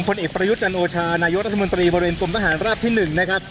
พลเอกประยุจันโอชานายกรัฐมนตรีบริเวณกลุ่มทหารราบที่หนึ่งนะครับ